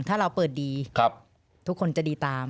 ถ้าเราเปิดดีทุกคนจะดีตาม